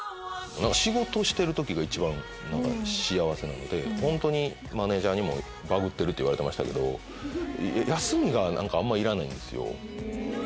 仕事してる時が一番何か幸せなのでホントにマネジャーにもバグってるって言われてましたけど休みが何かあんまいらないんですよ。